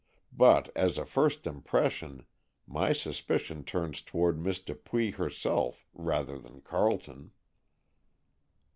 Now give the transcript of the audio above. But, as a first impression, my suspicion turns toward Miss Dupuy herself rather than Carleton."